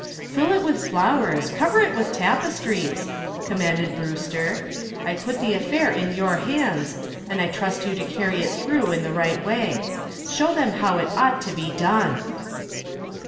"Fill it with flowers, cover it with tapestries," commanded Brewster. "I put the affair in your hands, and I trust you to carry it through in the right way. Show them how it ought to be done."